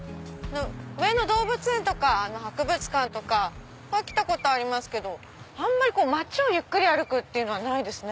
上野動物園とか博物館とかは来たことありますけどあんまり町をゆっくり歩くのはないですね。